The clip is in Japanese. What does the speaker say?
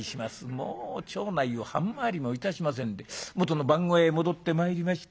もう町内を半回りもいたしませんでもとの番小屋へ戻ってまいりました。